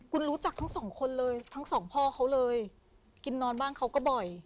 คุณรู้จักทั้งสองคนเลยทั้งสองพ่อเขาเลยกินนอนบ้านเขาก็บ่อย